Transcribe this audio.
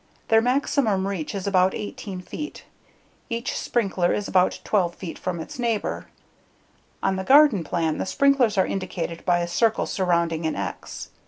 Their maximum reach is about 18 feet; each sprinkler is about 12 feet from its neighbor. On the garden plan, the sprinklers are indicated by a circle surrounding an "X."